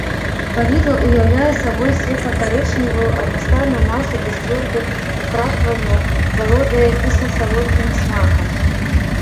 Павідла ўяўляе сабой светла-карычневую аднастайную масу без цвёрдых украпванняў, валодае кісла-салодкім смакам.